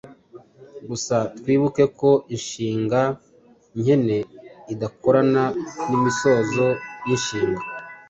Gusa twibuke ko inshimga nkene idakorana n’imisozo y’inshinga.